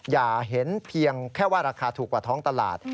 อย่าเห็นเพียงแค่ว่าราคาถูกกว่าท้องตลาด